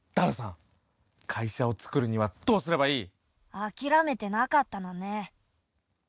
あきらめてなかったのね。